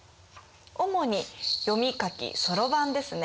主に「読み書き」「そろばん」ですね。